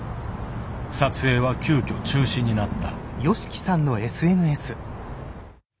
撮影は急きょ中止になった。